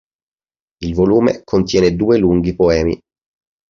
Il volume contiene due lunghi poemi.